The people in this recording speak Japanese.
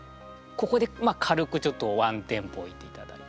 ここで軽くちょっとワンテンポ置いていただいて。